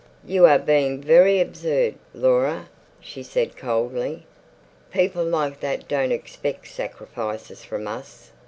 "You are being very absurd, Laura," she said coldly. "People like that don't expect sacrifices from us.